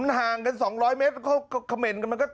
ห่างกัน๒๐๐เมตรเขาเขม่นกันมันก็